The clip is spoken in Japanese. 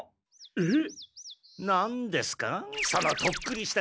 えっ？